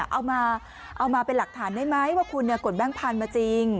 เอามาเป็นหลักฐานได้ไหมว่าคุณกดแบงค์พันธุ์มาจริง